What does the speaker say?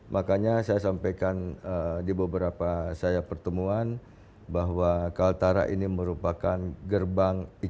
makanya saya sampaikan di beberapa saya pertemuan bahwa kaltara ini merupakan gerbang